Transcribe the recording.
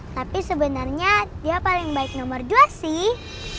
tapi sebenarnya dia paling baik nomor dua sih